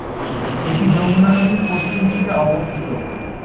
এটি যমুনা নদীর পশ্চিম তীরে অবস্থিত।